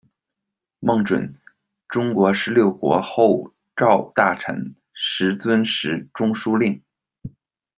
孟准，中国十六国后赵大臣，石遵时中书令。